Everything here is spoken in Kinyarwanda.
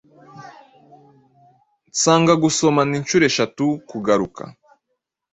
Nsanga gusomana inshuro eshatu kugaruka